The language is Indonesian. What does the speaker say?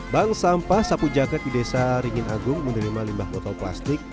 bank sampah sapu jagat di desa ringin agung menerima limbah botol plastik